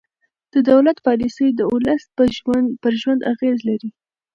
د دولت پالیسۍ د ولس پر ژوند اغېز لري